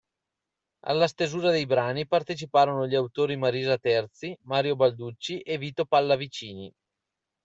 Alla stesura dei brani partecipano gli autori Marisa Terzi, Mario Balducci e Vito Pallavicini.